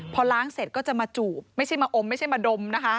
พอล้างเสร็จก็จะมาจูบไม่ใช่มาอมไม่ใช่มาดมนะคะ